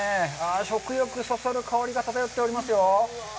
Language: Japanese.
食欲そそる香りが漂っていますよ。